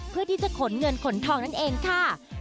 เพื่อที่จะขนเงินขนทองนั่นเองค่ะ